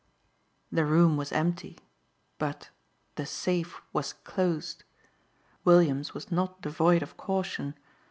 The room was empty, but the safe was closed! Williams was not devoid of caution.